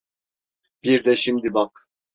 Bir de şimdi bak.